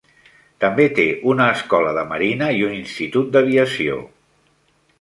També té una escola de marina i un institut d'aviació.